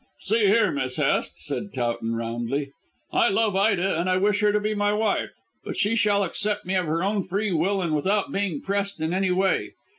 "See here, Miss Hest," said Towton roundly, "I love Ida and I wish her to be my wife. But she shall accept me of her own free will and without being pressed in any way.